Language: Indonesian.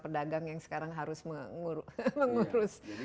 pedagang yang sekarang harus mengurus